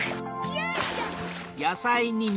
よいしょ！